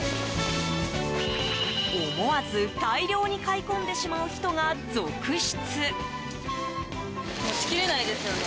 思わず大量に買い込んでしまう人が続出。